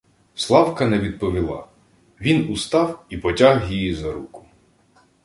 Славка не відповіла. Він устав і потяг її за руку: